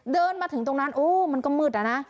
เดินมาถึงตรงนั้นโอ้มันก็มืดอะนะ